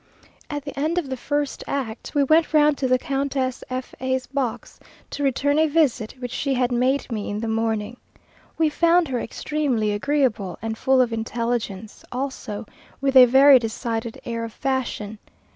At the end of the first act, we went round to the Countess F a's box, to return a visit which she had made me in the morning. We found her extremely agreeable and full of intelligence, also with a very decided air of fashion.